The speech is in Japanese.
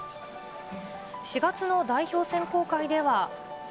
４月の代表選考会では。